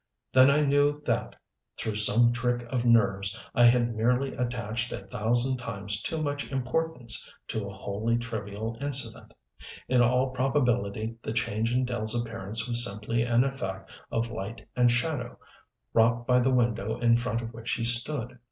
Then I knew that, through some trick of nerves, I had merely attached a thousand times too much importance to a wholly trivial incident. In all probability the change in Dell's appearance was simply an effect of light and shadow, wrought by the window in front of which he stood.